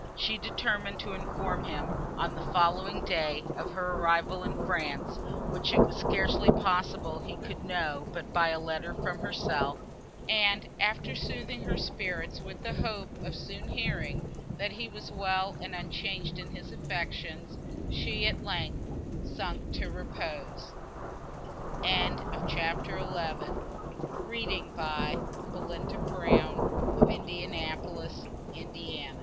She determined to inform him, on the following day, of her arrival in France, which it was scarcely possible he could know but by a letter from herself, and, after soothing her spirits with the hope of soon hearing, that he was well, and unchanged in his affections, she, at length, sunk to repose. CHAPTER XII Oft woo'd the gleam of Cynthia, silver bright, In cloisters d